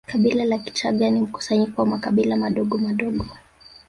Kabila la Kichaga ni mkusanyiko wa makabila madogomadogo